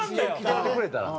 勝ってくれたら。